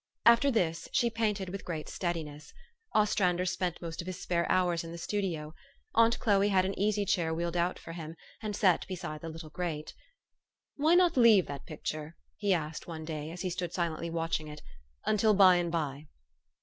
After this she painted with great steadiness. Os trander spent most of his spare hours in the studio. Aunt Chloe had an easy chair wheeled out for him, and set beside the little grate. " Why not leave that picture," he asked one day, as he stood silently watching it, u until by and by